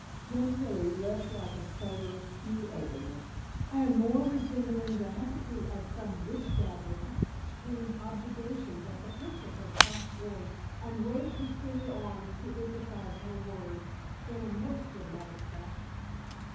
Gentilla, less like a sober pew opener, and more resembling the Hecate of some witch gathering, screamed objurgations at the pitch of her crocked voice, and waved her skinny arms to emphasize her words, in a most dramatic fashion.